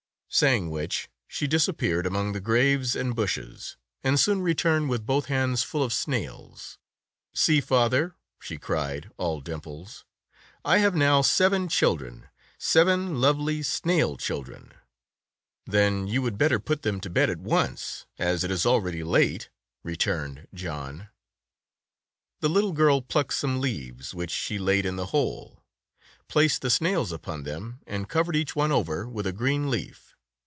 Saying which, she disappeared among the graves and bushes, and soon returned with both hands full of snails. "See, father," she cried, all dimples, "I have now seven children, seven lovely little snail children." Tales of Modern Germany 95 "Then you would better put them to bed at once, as it is already late,'' returned John. The little girl plucked some leaves, which she laid in the hole, placed the snails upon them, and covered each one over with a green leaf.